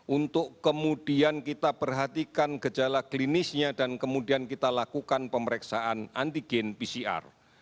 untuk kemudian kita perhatikan gejala klinisnya dan kemudian kita lakukan pemeriksaan antigen pcr